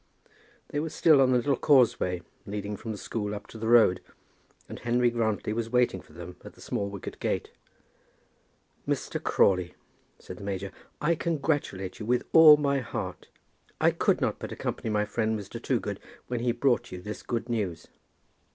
They were still on the little causeway leading from the school up to the road, and Henry Grantly was waiting for them at the small wicket gate. "Mr. Crawley," said the major, "I congratulate you with all my heart. I could not but accompany my friend, Mr. Toogood, when he brought you this good news."